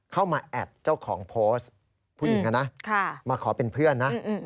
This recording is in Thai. แอดเจ้าของโพสต์ผู้หญิงนะมาขอเป็นเพื่อนนะ